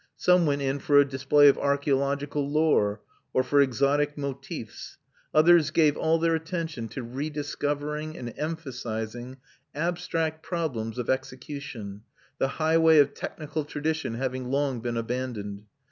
Some went in for a display of archaeological lore or for exotic motifs; others gave all their attention to rediscovering and emphasising abstract problems of execution, the highway of technical tradition having long been abandoned.